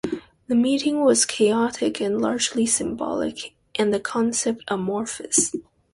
The meeting was chaotic and largely symbolic, and the concept amorphous.